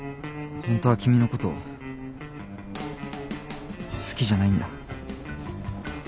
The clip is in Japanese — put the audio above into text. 本当は君のこと好きじゃないんだ。